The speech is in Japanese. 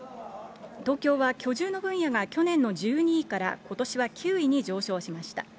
東京は居住の分野が去年の１２位から、ことしは９位に上昇しました。